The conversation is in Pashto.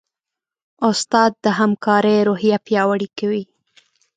استاد د همکارۍ روحیه پیاوړې کوي.